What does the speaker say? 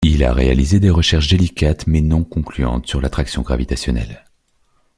Il a réalisé des recherches délicates mais non concluantes sur l'attraction gravitationnelle.